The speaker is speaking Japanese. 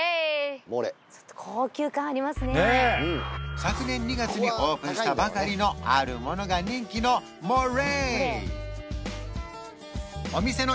昨年２月にオープンしたばかりのあるものが人気のモレ